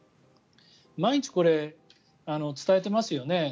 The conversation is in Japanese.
毎日、これ伝えてますよね。